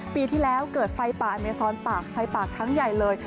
ปีที่แล้วเกิดไฟป่าอเมซอนปากไฟปากทั้งใหญ่เลย